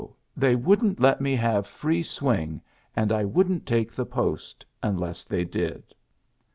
they wouldn't let me have free swing, and I wouldn't take the post unless they did.'